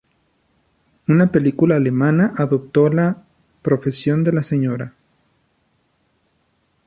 Una película alemana adaptó "La profesión de la Sra.